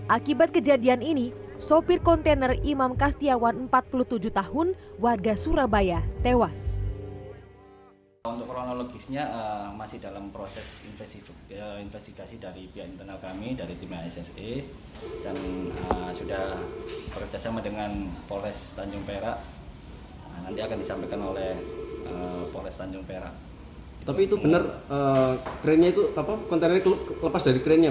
akibat kejadian ini sopir kontainer imam kastiawan empat puluh tujuh tahun warga surabaya tewas